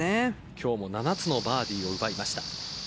今日も７つのバーディーを奪いました。